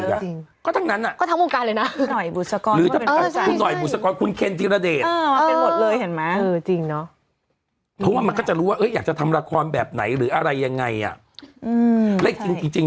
เห็นป่ะคุณไอแอนเนี้ยเขาเป็นผู้จัดดูตั้งแต่เสือผ้าทุกอย่างดูเองหมดเลย